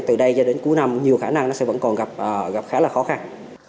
từ đây cho đến cuối năm nhiều khả năng nó sẽ vẫn còn gặp khá là khó khăn